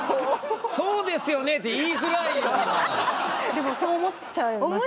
でもそう思っちゃいますよね。